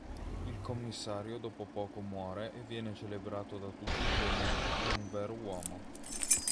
Il Commissario dopo poco muore e viene celebrato da tutti come "un vero uomo".